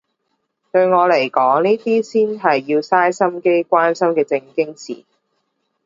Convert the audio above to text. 對我嚟講呢啲先係要嘥心機關心嘅正經事